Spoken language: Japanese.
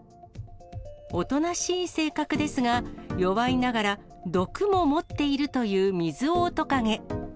おとなしい性格ですが、弱いながら毒も持っているというミズオオトカゲ。